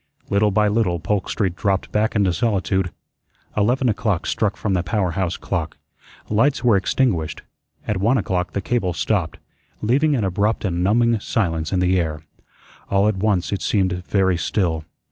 Little by little Polk Street dropped back into solitude. Eleven o'clock struck from the power house clock; lights were extinguished; at one o'clock the cable stopped, leaving an abrupt and numbing silence in the air. All at once it seemed very still.